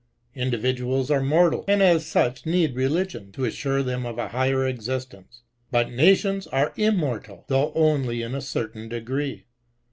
Individuals are mortal, and as such need religion, to assure them of a higher existence. But nations are immortal, though only in a certain degree.